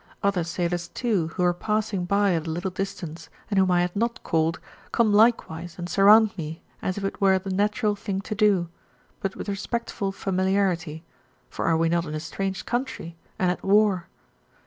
Other sailors, too, who were passing by at a little distance and whom I had not called, come likewise and surround me as if it were the natural thing to do, but with respectful familiarity, for are we not in a strange country, and at war?